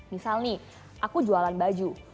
misal nih aku jualan baju